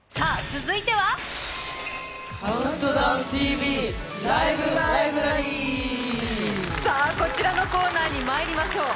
続いてはこちらのコーナーにまいりましょう。